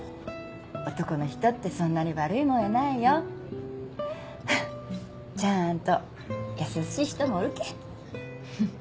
男の人ってそんなに悪いもんやないよ。ははっちゃんと優しい人もおるけん。